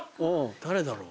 誰だろう？